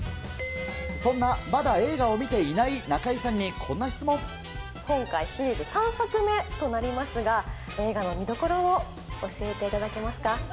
そんなまだ映画を見ていない今回シリーズ３作目となりますが、映画の見どころを教えていただけますか。